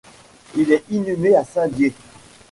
Il est inhumé à Saint-Dié.